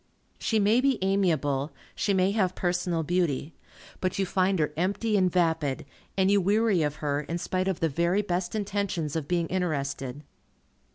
She may be amiable. She may have personal beauty. But you find her empty and vapid, and you weary of her, in spite of the very best intentions of being interested.